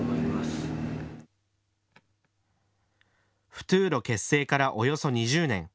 フトゥーロ結成からおよそ２０年。